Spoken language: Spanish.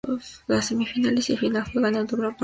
Las semifinales y final se juegan a doble partido.